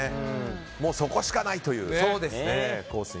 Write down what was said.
そこしかない！というコースに。